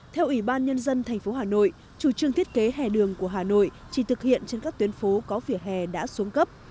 theo ủy ban nhân dân tp hà nội chủ trương thiết kế hẻ đường của hà nội chỉ thực hiện trên các tuyến phố có vỉa hè đã xuống cấp